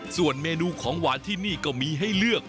ส่วนเมนูของหวานที่นี่ก็มีให้เลือก